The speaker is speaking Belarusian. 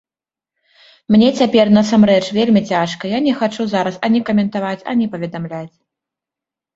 Мне цяпер насамрэч вельмі цяжка, я не хачу зараз ані каментаваць, ані паведамляць.